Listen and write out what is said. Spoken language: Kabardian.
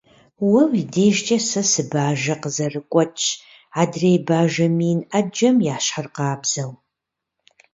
Уэ уи дежкӀэ сэ сыбажэ къызэрыгуэкӀщ, адрей бажэ мин Ӏэджэм ящхьыркъабзэу.